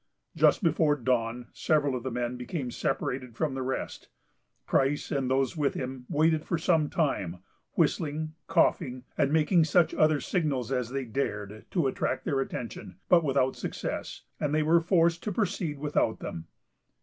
Just before dawn, several of the men became separated from the rest. Price and those with him waited for some time, whistling, coughing, and making such other signals as they dared, to attract their attention, but without success, and they were forced to proceed without them.